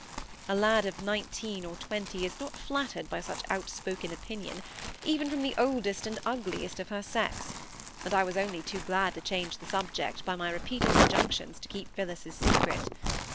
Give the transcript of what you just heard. A lad of nineteen or twenty is not flattered by such an out spoken opinion even from the oldest and ugliest of her sex; and I was only too glad to change the subject by my repeated injunctions to keep Phillis's secret.